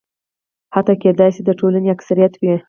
حتی کېدای شي د ټولنې اکثریت وي.